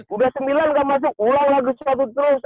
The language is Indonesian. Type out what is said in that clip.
udah sembilan gak masuk ulang lagi suatu terus